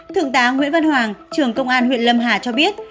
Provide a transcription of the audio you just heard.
thượng tá nguyễn văn hoàng trưởng công an huyện lâm hà cho biết